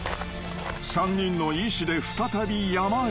［３人の意思で再び山へ］